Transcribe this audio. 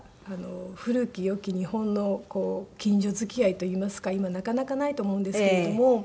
古き良き日本の近所付き合いといいますか今なかなかないと思うんですけれども。